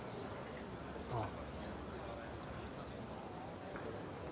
ああ。